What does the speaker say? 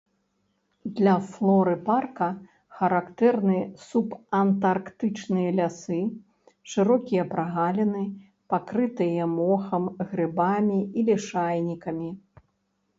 Для флоры парка характэрны субантарктычныя лясы, шырокія прагаліны, пакрытыя мохам, грыбамі і лішайнікамі.